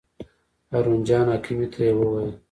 هارون جان حکیمي ته یې وویل.